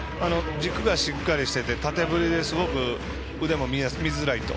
軸がしっかりしていて縦振りですごく腕も見づらいと。